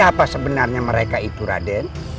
apa sebenarnya mereka itu raden